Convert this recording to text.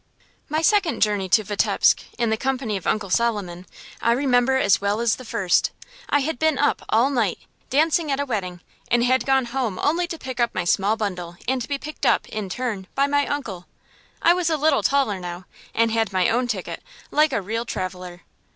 My second journey to Vitebsk, in the company of Uncle Solomon, I remember as well as the first. I had been up all night, dancing at a wedding, and had gone home only to pick up my small bundle and be picked up, in turn, by my uncle. I was a little taller now, and had my own ticket, like a real traveller.